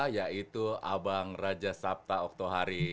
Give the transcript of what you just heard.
yaitu abang raja sabta oktohari